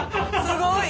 すごい。